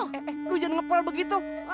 eh eh lo jangan ngepel begitu